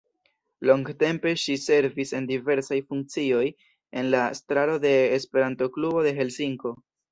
Longtempe ŝi servis en diversaj funkcioj en la estraro de Esperanto-Klubo de Helsinko.